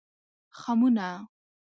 خمونه